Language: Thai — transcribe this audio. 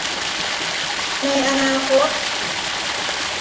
ในอนาคต